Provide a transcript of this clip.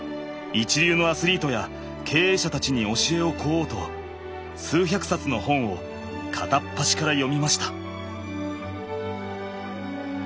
一流のアスリートや経営者たちに教えを請おうと数百冊の本を片っ端から読みました。